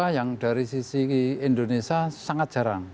yang dari sisi indonesia sangat jarang